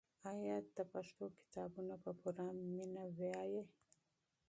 آیا ته پښتو کتابونه په پوره مینه لولې؟